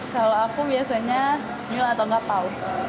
kalau aku biasanya nil atau enggak pau